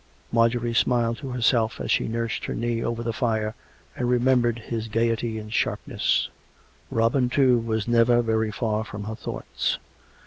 ... Marjorie smiled to herself as she nursed her knee over the fire, and remem bered his gaiety and sharpness. Robin, too, was never very far from her thoughts.